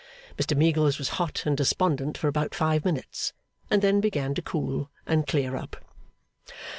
Mr Meagles was hot and despondent for about five minutes, and then began to cool and clear up.